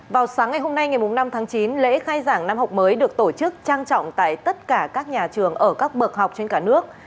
vào sáng ngày hôm nay ngày năm tháng chín lễ khai giảng năm học mới được tổ chức trang trọng tại tất cả các nhà trường ở các bậc học trên cả nước